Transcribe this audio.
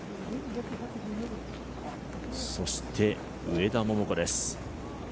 そして、上田桃子です。